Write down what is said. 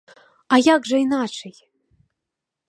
А як жа іначай!?